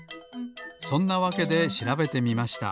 そんなわけでしらべてみました。